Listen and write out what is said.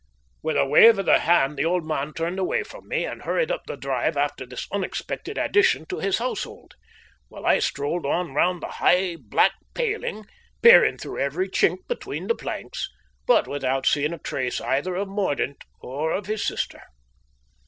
With a wave of the hand the old man turned away from me and hurried up the drive after this unexpected addition to his household, while I strolled on round the high, black paling, peering through every chink between the planks, but without seeing a trace either of Mordaunt or of his sister.